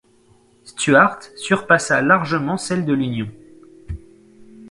Stuart surpassa largement celle de l'Union.